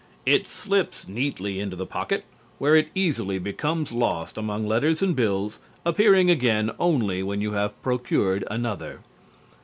It slips neatly into the pocket, where it easily becomes lost among letters and bills, appearing again only when you have procured another.